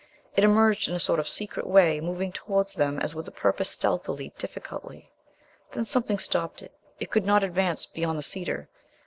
It emerged in a sort of secret way, moving towards them as with a purpose, stealthily, difficultly. Then something stopped it. It could not advance beyond the cedar.